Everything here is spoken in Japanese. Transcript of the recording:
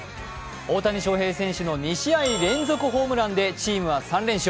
大谷翔平選手の２試合連続ホームランでチームは２連勝。